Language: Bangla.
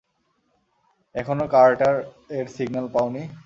এখনও কার্টার এর সিগ্ন্যাল পাওনি?